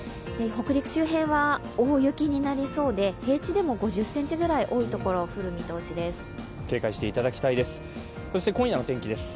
北陸周辺は大雪になりそうで平地でも５０ｃｍくらい多い所は降りそうです。